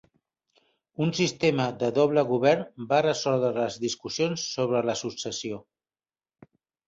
Un sistema de doble govern va resoldre les discussions sobre la successió.